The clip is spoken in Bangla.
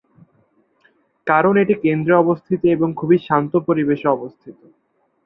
কারণ এটি কেন্দ্রে অবস্থিত এবং খুবই শান্ত পরিবেশে অবস্থিত।